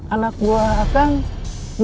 anak buah akang